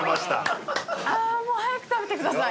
もう早く食べてください